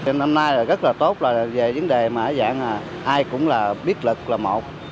năm nay rất là tốt là về vấn đề mà ai cũng là biết lực là một